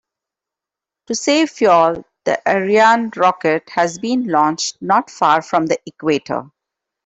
To save fuel, the Ariane rocket has been launched not far from the equator.